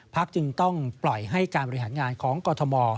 จึงต้องปล่อยให้การบริหารงานของกรทม